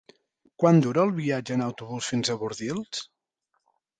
Quant dura el viatge en autobús fins a Bordils?